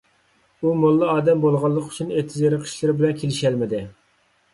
ئۇ موللا ئادەم بولغانلىقى ئۈچۈن، ئېتىز - ئېرىق ئىشلىرى بىلەن كېلىشەلمىدى.